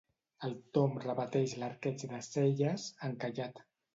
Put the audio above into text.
El Tom repeteix l'arqueig de celles, encallat.